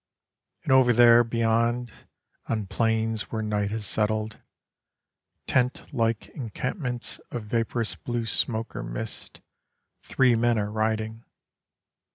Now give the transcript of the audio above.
And over there, beyond, On plains where night has settled, Ten like encampments of vaporous blue smoke or mist, Three men are riding.